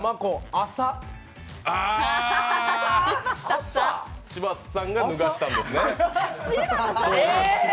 あ柴田さんが脱がせたんですね。